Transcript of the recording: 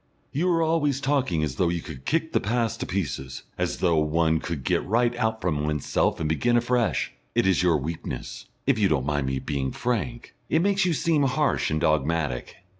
"You are always talking as though you could kick the past to pieces; as though one could get right out from oneself and begin afresh. It is your weakness if you don't mind my being frank it makes you seem harsh and dogmatic.